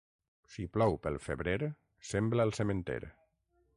Si plou pel febrer, sembra el sementer.